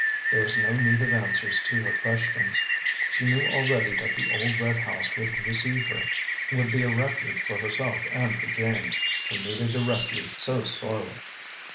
There was no need of answers to her questions; she knew already that the old red house would receive her, would be a refuge for herself and for James, who needed a refuge so sorely.